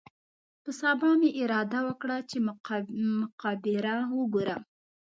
په سبا مې اراده وکړه چې مقبره وګورم.